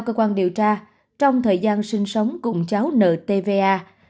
cơ quan điều tra trong thời gian sinh sống cùng cháu nợ tva